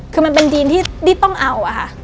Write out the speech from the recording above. คือมันเป็นดินที่ต้องเอาค่ะ